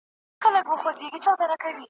ارغنداو ته شالماره چي رانه سې `